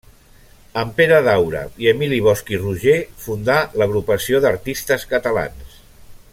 Amb Pere Daura i Emili Bosch i Roger fundà l'Agrupació d'Artistes Catalans.